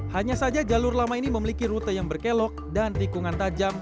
hanya saja jalur lama ini memiliki rute yang berkelok dan tikungan tajam